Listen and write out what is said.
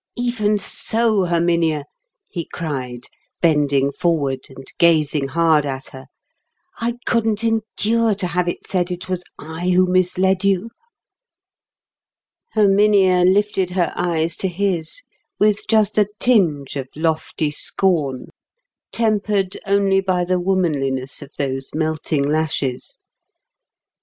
"Even so, Herminia," he cried, bending forward and gazing hard at her, "I couldn't endure to have it said it was I who misled you." Herminia lifted her eyes to his with just a tinge of lofty scorn, tempered only by the womanliness of those melting lashes.